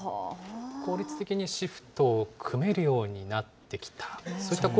効率的にシフトを組めるようになってきた？